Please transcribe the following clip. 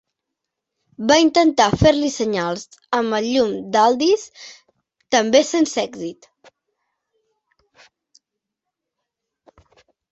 Va intentar fer-li senyals amb el llum d'Aldis, també sense èxit.